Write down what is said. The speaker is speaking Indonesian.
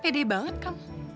pede banget kamu